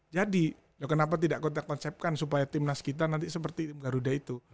jadi kenapa tidak kita konsepkan supaya tim nas kita nanti seperti garuda itu